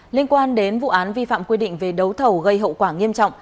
liên quan đến vụ án vi phạm quy định về đấu thầu gây hậu quả nghiêm trọng